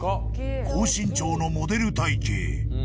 高身長のモデル体形